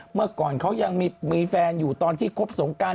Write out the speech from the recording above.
เมื่อก่อนเขายังมีแฟนอยู่ตอนที่คบสงการ